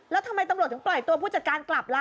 แล้วทำไมตำรวจถึงปล่อยตัวผู้จัดการกลับล่ะ